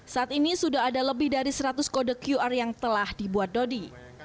saat ini sudah ada lebih dari seratus kode qr yang telah dibuat dodi